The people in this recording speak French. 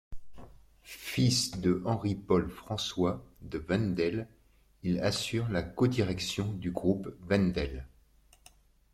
Fils de Henri Paul François de Wendel, il assure la codirection du groupe Wendel.